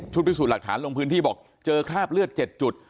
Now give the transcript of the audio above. พิสูจน์หลักฐานลงพื้นที่บอกเจอคราบเลือด๗จุด